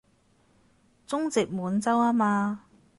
中殖滿洲吖嘛